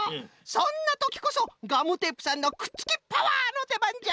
そんなときこそガムテープさんのくっつきパワーのでばんじゃ。